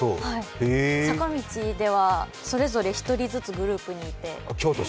坂道ではそれぞれ１人ずつグループにいて。